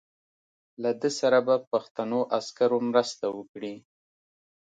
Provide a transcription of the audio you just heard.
له ده سره به پښتنو عسکرو مرسته وکړي.